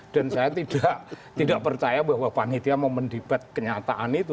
dan saya tidak percaya bahwa panitia mau mendibat kenyataan itu